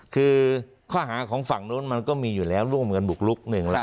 คือข้อหาของฝั่งโน้นมันก็มีอยู่แล้วร่วมกันบุกลุกหนึ่งแล้ว